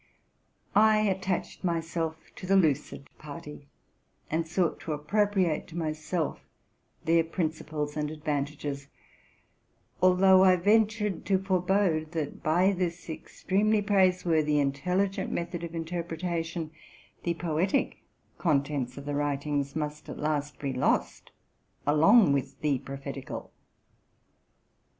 I attached myself to the lucid party, and sought to appro priate to myself their principles and advantages ; although I ventured to forebode, that by this extremely praiseworthy, intelligent method of interpretation, the poetic contents of the writings must at last be lost along with the prophetieal.